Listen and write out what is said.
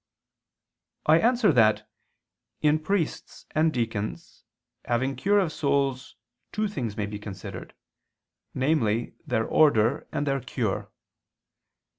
I answer that, In priests and deacons having cure of souls two things may be considered, namely their order and their cure.